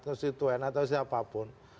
konstituen atau siapapun